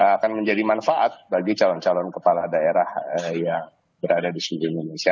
akan menjadi manfaat bagi calon calon kepala daerah yang berada di seluruh indonesia